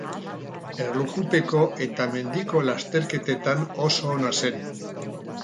Erlojupeko eta mendiko lasterketetan oso ona zen.